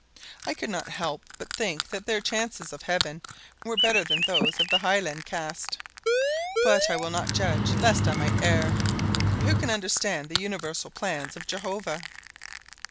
I could not help but think that their chances of Heaven were better than those of the highland caste; but I will not judge lest I might err. Who can understand the universal plans of Jehovah?